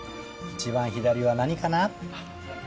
一番左は何かな？